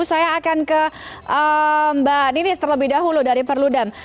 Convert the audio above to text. saya akan ke mbak ninis terlebih dahulu dari perludem